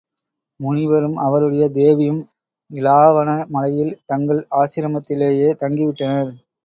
முனிவரும் அவருடைய தேவியும் இலாவாண மலையில் தங்கள் ஆசிரமத்திலேயே தங்கிவிட்டனர்.